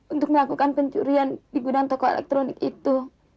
untuk melakukan pencurian di gudang toko elektronik itu